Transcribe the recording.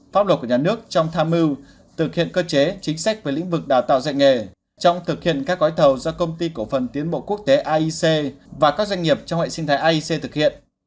pháp luật của nhà nước trong tham mưu thực hiện cơ chế chính sách về lĩnh vực đào tạo dạy nghề trong thực hiện các gói thầu do công ty cổ phần tiến bộ quốc tế aic và các doanh nghiệp trong hệ sinh thái aic thực hiện